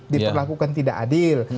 diperlakukan tidak adil